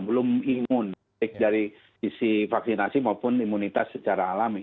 belum imun baik dari sisi vaksinasi maupun imunitas secara alami